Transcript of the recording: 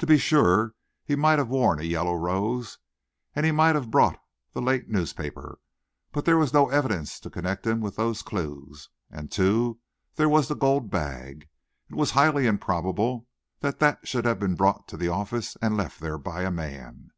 To be sure he might have worn a yellow rose, and he might have brought the late newspaper, but there was no evidence to connect him with those clues, and too, there was the gold bag. It was highly improbable that that should have been brought to the office and left there by a man.